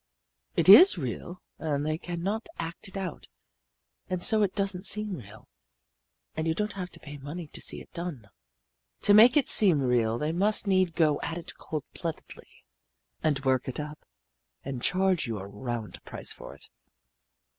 It is real, and they can not act it out, and so it doesn't seem real and you don't have to pay money to see it done. To make it seem real they must need go at it cold bloodedly, and work it up, and charge you a round price for it.